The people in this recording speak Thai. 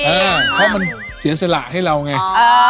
เออเพราะมันเสียสละให้เราไง